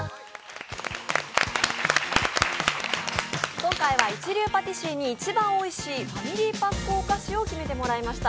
今回は一流パティシエに一番おいしいファミリーパックお菓子を決めてもらいました。